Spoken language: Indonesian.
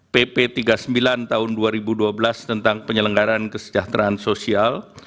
pp tiga puluh sembilan tahun dua ribu dua belas tentang penyelenggaran kesejahteraan sosial